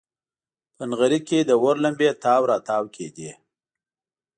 په نغري کې د اور لمبې تاو راتاو کېدې.